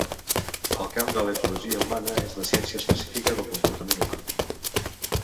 El camp de l'etologia humana és la ciència específica del comportament humà.